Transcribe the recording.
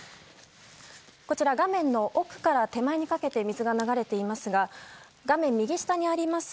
こちら画面の奥から手前にかけて水が流れていますが画面右下にあります